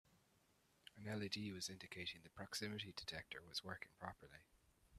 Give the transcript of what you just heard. An LED was indicating the proximity detector was working properly.